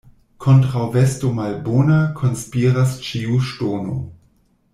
Kontraŭ vesto malbona konspiras ĉiu ŝtono.